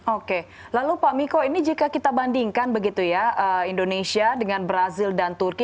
oke lalu pak miko ini jika kita bandingkan begitu ya indonesia dengan brazil dan turki